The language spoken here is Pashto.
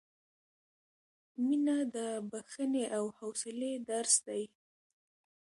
• مینه د بښنې او حوصلې درس دی.